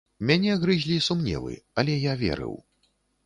Мяне грызлі сумневы, але я верыў.